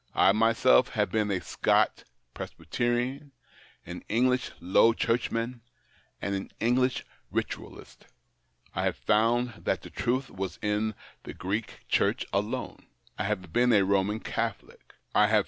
I myself have been a Scotch Presbyterian, an English Low Churchman, and an English Ritualist ; I have found that the truth was in the Greek Church alone ; I have been a Roman Catholic ; I have THE OCTAVE OF CLAUDIUS.